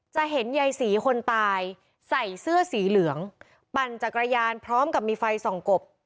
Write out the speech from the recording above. จะเห็นยายศรีคนตายใส่เสื้อสีเหลืองปั่นจักรยานพร้อมกับมีไฟส่องกบ